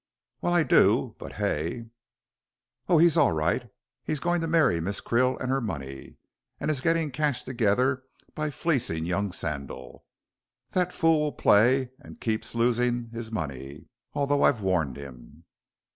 "Well, I do. But Hay? " "Oh, he's all right. He's going to marry Miss Krill and her money, and is getting cash together by fleecing young Sandal. That fool will play, and keeps losing his money, although I've warned him."